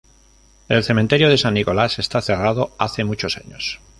El cementerio de San Nicolás está cerrado hace muchos años.